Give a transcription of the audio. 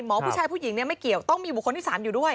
ผู้ชายผู้หญิงเนี่ยไม่เกี่ยวต้องมีบุคคลที่๓อยู่ด้วย